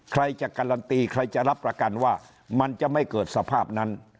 ใครจะการันตีใครจะรับประกันว่ามันจะไม่เกิดสภาพนั้น